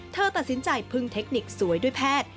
เธอตัดสินใจพึ่งเทคนิคสวยด้วยแพทย์